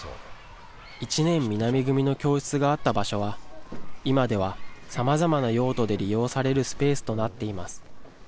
１年南組の教室があった場所は、今ではさまざまな用途で利用されるスペースとなっています。